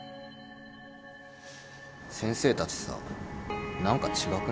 先生たちさ何か違くない？